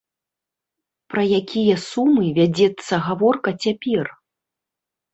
Пра якія сумы вядзецца гаворка цяпер?